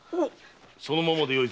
そのままでよいぞ。